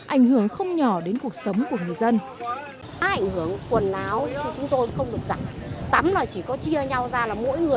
ảnh hưởng không nhỏ đến cuộc sống